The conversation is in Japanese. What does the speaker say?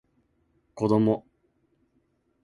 こども